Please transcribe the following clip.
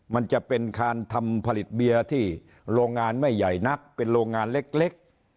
มันจะเป็นการทำผลิตเบียร์ที่โรงงานไม่ใหญ่นักเป็นโรงงานเล็ก